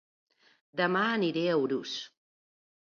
Dema aniré a Urús